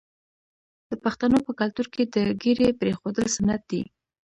د پښتنو په کلتور کې د ږیرې پریښودل سنت دي.